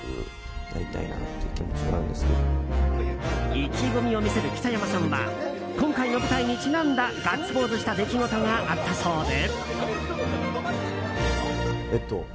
意気込みを見せる北山さんは今回の舞台にちなんだガッツポーズした出来事があったそうで。